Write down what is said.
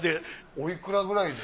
おいくらくらいで？